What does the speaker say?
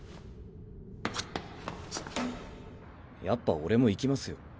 やっぱ俺も行きますよ。